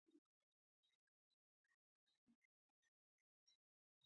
که ته هر څوره تکړه شې زما ځای ته ځان نه شې رسولای.